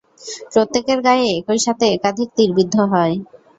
প্রত্যেকের গায়েই একই সাথে একাধিক তীরবিদ্ধ হয়।